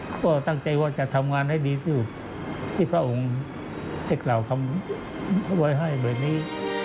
ก็ตั้งใจว่าจะทำงานให้ดีที่พระองค์เอกราวคำไว้ให้แบบนี้